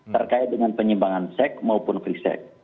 terkait dengan penyimbangan seks maupun free seks